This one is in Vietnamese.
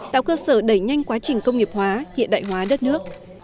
tạo cơ sở đẩy nhanh quá trình công nghiệp hóa hiện đại hóa đất nước